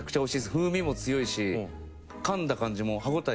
風味も強いし噛んだ感じも歯応え